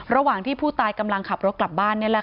ระหว่างที่ผู้ตายกำลังขับรถกลับบ้าน